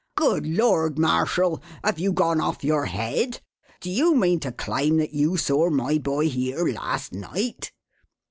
"Good lord, Marshall, have you gone off your head? Do you mean to claim that you saw my boy here last night?"